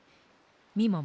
みもも